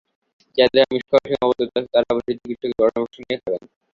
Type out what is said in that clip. যাঁদের আমিষ খাওয়ায় সীমাবদ্ধতা আছে, তাঁরা অবশ্যই চিকিৎসকের পরামর্শ নিয়ে খাবেন।